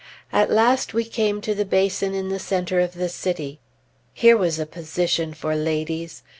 At last we came to the basin in the centre of the city. Here was a position for ladies!